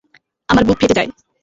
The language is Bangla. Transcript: আমার বুক ফেটে যায়।